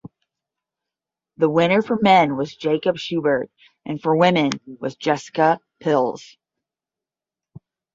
The winner for men was Jakob Schubert and for women was Jessica Pilz.